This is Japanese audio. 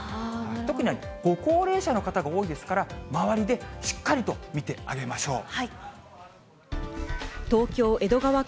特にご高齢者の方が多いですから、周りでしっかりと見てあげましょう。